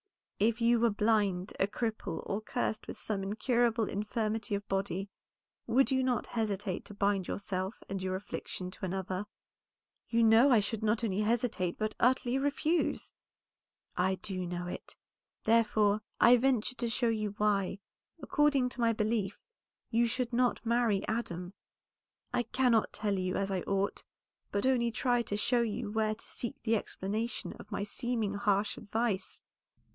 "If you were blind, a cripple, or cursed with some incurable infirmity of body, would not you hesitate to bind yourself and your affliction to another?" "You know I should not only hesitate, but utterly refuse." "I do know it, therefore I venture to show you why, according to my belief, you should not marry Adam. I cannot tell you as I ought, but only try to show you where to seek the explanation of my seeming harsh advice.